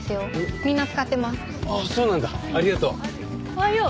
おはよう。